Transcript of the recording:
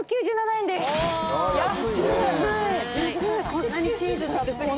こんなにチーズたっぷりで。